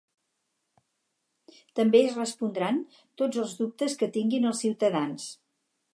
També es respondran tots els dubtes que tinguin els ciutadans.